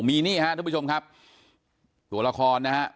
มีนี่ฮะทุกผู้ชมครับตัวละครนะฮะ